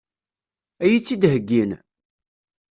Ad iyi-tt-id-heggin?